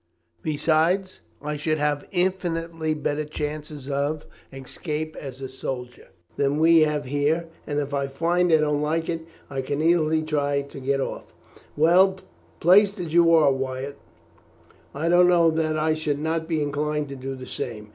Besides, I should have infinitely better chances of escape as a soldier than we have here, and if I find I don't like it, I can at least try to get off." "Well, placed as you are, Wyatt, I don't know that I should not be inclined to do the same.